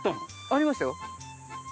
ありましたよ。